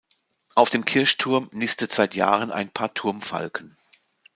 Auf dem Kirchturm nistet seit Jahren ein Paar Turmfalken.